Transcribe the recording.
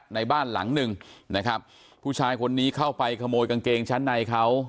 ในบ้านหลังหนึ่งนะครับผู้ชายคนนี้เข้าไปขโมยกางเกงชั้นในเขา